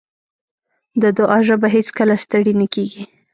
د دعا ژبه هېڅکله ستړې نه کېږي.